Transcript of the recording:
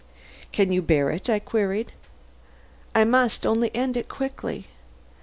"You can bear it?" I queried. "I must only end it quickly."